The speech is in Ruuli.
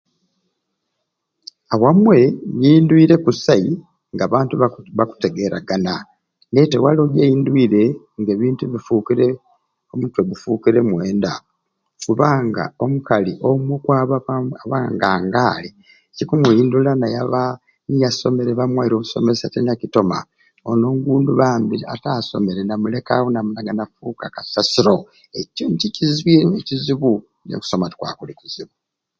Awamwei nyindwire kusai ng'abantu ba bakutegeeragana nayete waliwo gyebindwire ng'ebintu bifuukire omutwe gufuukire mwenda kubanga omukali omwei okwabo aba abangangaali kikumuyindula n'ayaba niyasomere ni bamuwaire obusomesa e Nakitoma oni ongundu bambi ataasomere n'amuleka awo n'amunaga n'amufuuka kasasiro ekyo nikyo kizwi kizwireku ekizibu naye okusoma tikwali kuli kizibu.